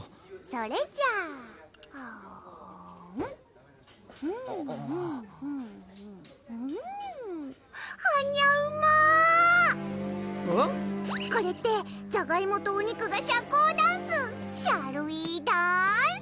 それじゃあはにゃうまこれってじゃがいもとお肉が社交ダンスシャルウィーダンス！